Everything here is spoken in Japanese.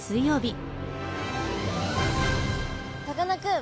さかなクン